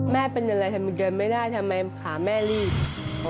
แม่เป็นอะไรทำไมเดินไม่ได้ทำไมขาแม่ลีด